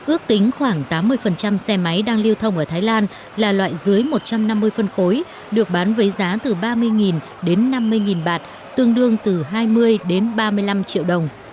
ước tính khoảng tám mươi xe máy đang lưu thông ở thái lan là loại dưới một trăm năm mươi phân khối được bán với giá từ ba mươi đến năm mươi bạt tương đương từ hai mươi đến ba mươi năm triệu đồng